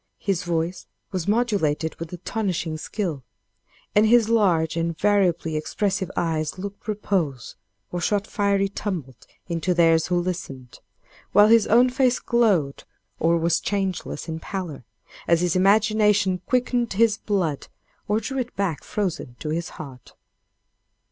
His voice was modulated with astonishing skill, and his large and variably expressive eyes looked repose or shot fiery tumult into theirs who listened, while his own face glowed, or was changeless in pallor, as his imagination quickened his blood or drew it back frozen to his heart.